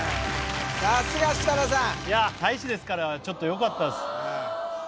さすが設楽さんいや大使ですからちょっとよかったです